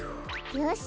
よし！